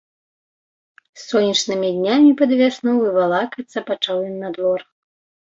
Сонечнымі днямі, пад вясну, вывалакацца пачаў ён на двор.